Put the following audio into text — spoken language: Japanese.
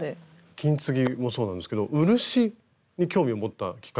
金継ぎもそうなんですけど漆に興味を持ったきっかけもあります？